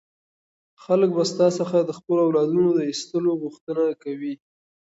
خلک به ستا څخه د خپلو اولادونو د ایستلو غوښتنه کوي.